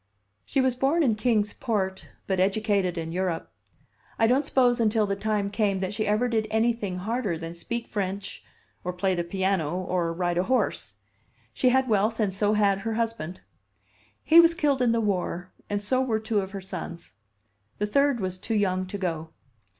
"She was born in Kings Port, but educated in Europe. I don't suppose until the time came that she ever did anything harder than speak French, or play the piano, or ride a horse. She had wealth and so had her husband. He was killed in the war, and so were two of her sons. The third was too young to go.